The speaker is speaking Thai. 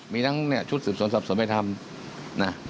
มีทั้งเนี้ยชุดสืบส่วนสับสนไปทำน่ะ